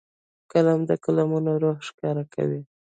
قلم د قلموالو روح ښکاره کوي